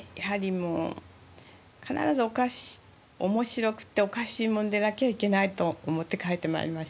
面白くておかしいもんでなきゃいけないと思って描いてまいりましたね。